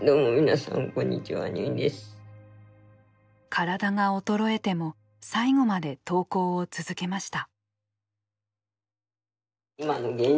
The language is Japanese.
体が衰えても最後まで投稿を続けました。